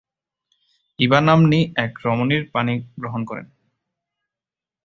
ইভা নাম্নী এক রমণীর পাণিগ্রহণ করেন।